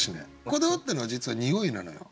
こだわったのは実は「におい」なのよ。